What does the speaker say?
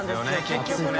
結局ね。